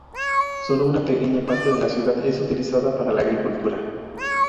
Sólo una pequeña parte de la ciudad es utilizada para la agricultura.